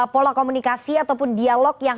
pola komunikasi ataupun dialog yang